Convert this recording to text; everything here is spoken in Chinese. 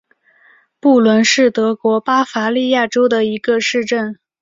布伦是德国巴伐利亚州的一个市镇。